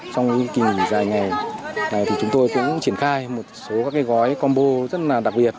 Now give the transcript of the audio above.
trong những kỳ nghỉ dài ngày này thì chúng tôi cũng triển khai một số các gói combo rất là đặc biệt